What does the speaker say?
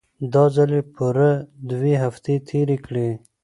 دا ځل يې پوره دوې هفتې تېرې کړې.